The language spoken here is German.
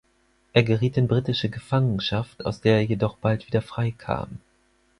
Er geriet in britische Gefangenschaft, aus der er jedoch bald wieder freikam.